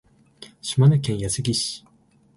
島根県安来市